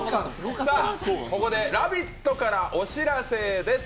ここで「ラヴィット！」からお知らせです。